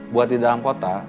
buat di dalam kota